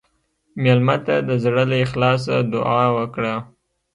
مېلمه ته د زړه له اخلاصه دعا وکړه.